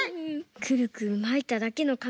クルクルまいただけのかみがたてにも。